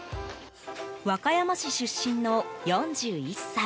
和歌山市出身の４１歳。